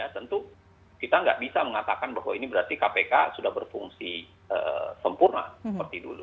tentu kita nggak bisa mengatakan bahwa ini berarti kpk sudah berfungsi sempurna seperti dulu